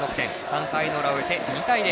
３回の裏を終えて２対０。